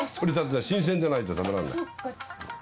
新鮮じゃないと食べらんない。